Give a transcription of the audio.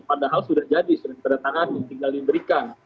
padahal sudah jadi sudah ditandatangani tinggal diberikan